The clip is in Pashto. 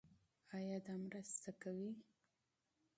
ایا دا مرسته کوي؟